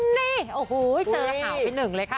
นี่โอ้โหเจอข่าวไปหนึ่งเลยค่ะ